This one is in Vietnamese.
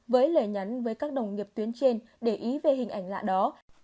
với lời nhắn với các đồng nghiệp tuyến trên để ý về hình ảnh lạ đó